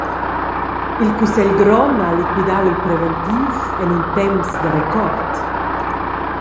Il cussegl grond ha liquidau il preventiv en in temps da record.